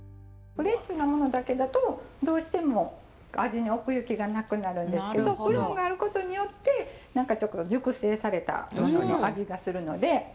フレッシュなものだけだとどうしても味に奥行きがなくなるんですけどプルーンがあることによって何かちょっと熟成された味がするので。